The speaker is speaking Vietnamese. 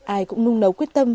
ai cũng nung nấu quyết tâm